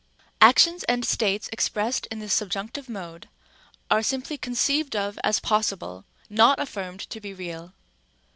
(1 Thess. v. 3.) Rem. a. Actions and states expressed in the subjunctive mode are simply conceived of as possible, not affirmed to be real.